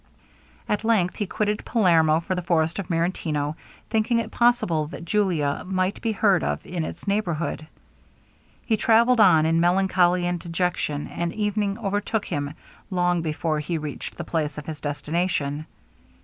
At length he quitted Palermo for the forest of Marentino, thinking it possible that Julia might be heard of in its neighbourhood. He travelled on in melancholy and dejection, and evening overtook him long before he reached the place of his destination.